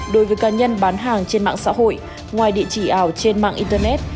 đối với cá nhân bán hàng trên mạng xã hội ngoài địa chỉ ảo trên mạng internet